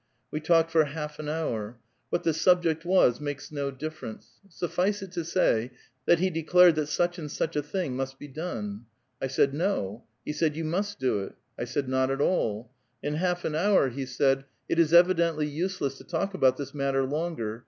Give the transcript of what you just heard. We talked for half an hour. What the subject was, makes no difference ; suffice it to say, that he declared that such and such a thing must be done. I said, '^ No" ; he said, '' You nmst do it" ; I said, ''*' Not at all." In half an hour lie said :—^^ It is evidently useless to talk about this matter longer.